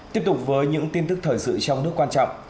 tiếp tục với những tin tức thời sự trong nước quan trọng